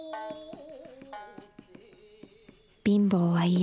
「貧乏は嫌。